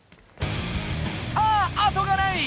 さああとがない！